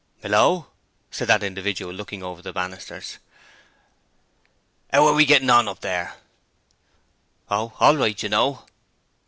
'Hallo,' said that individual, looking over the banisters. ''Ow are yer getting on up there?' 'Oh, all right, you know.'